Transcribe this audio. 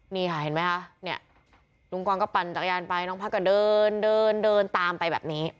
นี่ค่ะเห็นไหมคะเนี่ยลุงกรก็ปั่นจักรยานไปน้องพักก็เดินเดินเดินตามไปแบบนี้